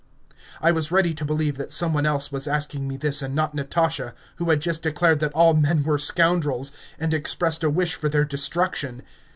I was ready to believe that some one else was asking me this and not Natasha, who had just declared that all men were scoundrels, and expressed a wish for their destruction.